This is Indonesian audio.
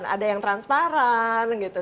ada yang transparan gitu